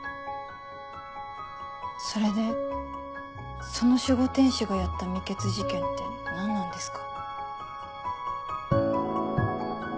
それでその守護天使がやった未決事件って何なんですか？